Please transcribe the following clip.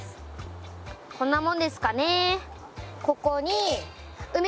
こんなもんですかね。